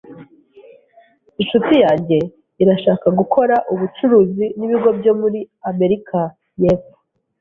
Inshuti yanjye irashaka gukora ubucuruzi nibigo byo muri Amerika yepfo.